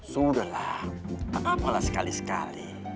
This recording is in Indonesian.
sudahlah tak apalah sekali sekali